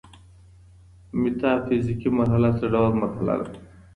ميتافزيکي مرحله څه ډول مرحله ده؟